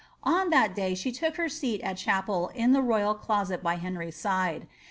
On that day she took her seat at chapel in the royal closet by Henry's side.